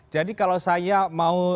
jadi kalau saya mau ngobrol